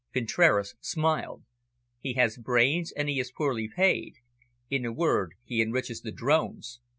Contraras smiled. "He has brains, and he is poorly paid in a word, he enriches the drones.